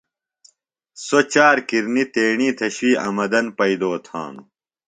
سوۡ چار کِرنیۡ تیݨی تھےۡ شُوئی آمدن پئیدو تھانوۡ۔